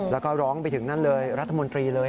แล้วก็ร้องไปถึงนั่นเลยรัฐมนตรีเลย